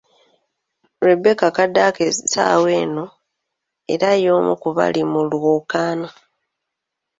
Rebecca Kadaga essaawa eno era y'omu ku bali mu lwokaano.